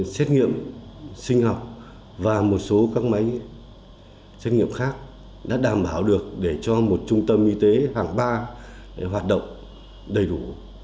xét nghiệm sinh học và một số các máy xét nghiệm khác đã đảm bảo được để cho một trung tâm y tế hàng ba hoạt động đầy đủ